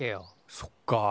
そっか。